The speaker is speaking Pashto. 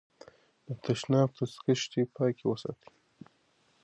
د تشناب دستکشې پاکې وساتئ.